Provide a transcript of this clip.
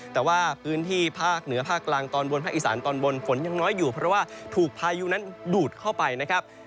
แต่ว่าพื้นที่ภาคเหนือภาคกลางตอนบนภาคอีสานตอนบนฝนยังน้อยอยู่เพราะว่าถูกพายุนั้นดูดเข้าไปนะครับ